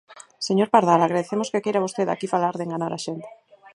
Señor Pardal, agradecemos que queira vostede aquí falar de enganar a xente.